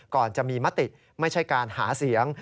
ก่อนจะมีมติไม่ใช่การหาเสียง